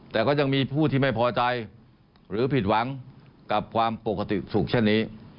แต่ก็ยังมีผู้ที่ไม่พอใจหรือผิดหวังกับความปกติสุขเช่นนี้